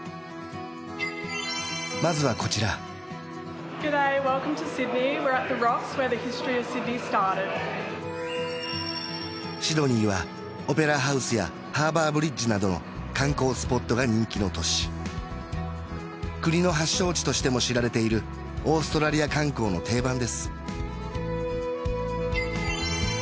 まずはこちらシドニーはオペラハウスやハーバーブリッジなどの観光スポットが人気の都市国の発祥地としても知られているオーストラリア観光の定番です